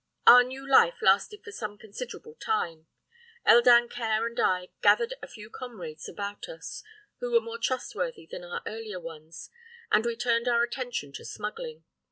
Our new life lasted for some considerable time. El Dancaire and I gathered a few comrades about us, who were more trustworthy than our earlier ones, and we turned our attention to smuggling.